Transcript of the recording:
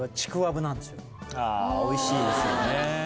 おいしいですよね。